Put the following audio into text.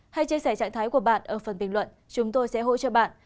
hãy chia sẻ trạng thái của bạn ở phần bình luận chúng tôi sẽ hỗ trợ bạn